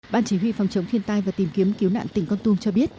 ban chỉ huy phòng chống thiên tai và tìm kiếm cứu nạn tỉnh con tum cho biết